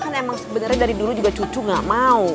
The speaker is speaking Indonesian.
kan emang sebenernya dari dulu juga cucu gak mau